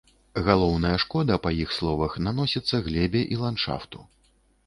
Галоўная шкода, па іх словах, наносіцца глебе і ландшафту.